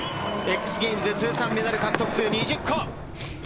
ＸＧａｍｅｓ通算メダル獲得数２０個。